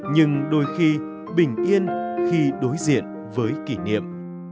nhưng đôi khi bình yên khi đối diện với kỷ niệm